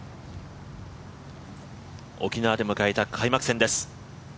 沖縄で迎えた開幕戦です。